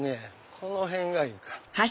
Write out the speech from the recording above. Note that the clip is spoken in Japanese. この辺がいいか。